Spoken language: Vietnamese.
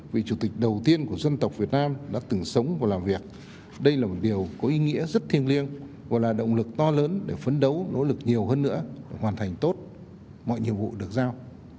vị chủ tịch đầu tiên của dân tộc việt nam đã từng sống và làm việc đây là một điều có ý nghĩa rất thiêng liêng và là động lực to lớn để phấn đấu nỗ lực nhiều hơn nữa hoàn thành tốt mọi nhiệm vụ được giao